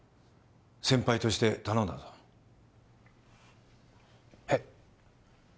先輩として頼んだぞへえ